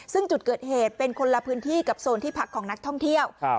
ซึ่งจุดเกิดเหตุเป็นคนละพื้นที่กับโซนที่พักของนักท่องเที่ยว